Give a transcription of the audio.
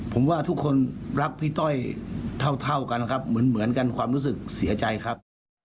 ผมว่าทุกคนรักพี่ต้อยเท่ากันครับเหมือนกันความรู้สึกเสียใจครับ